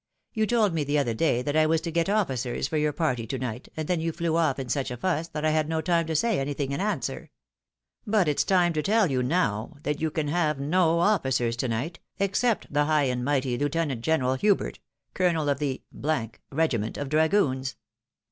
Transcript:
You told me the other day that I was to get officers for your party to night, and then you flew off in such a fuss, that I had no time to say anything in answer. But it's time to tell you now, that you can have no officers to night, except the high and mighty Lieutenant General Hubert, Colonel of the regiment of Dragoons."